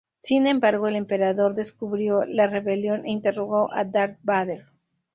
Sin embargo, El Emperador, descubrió la rebelión, e interrogó a Darth Vader.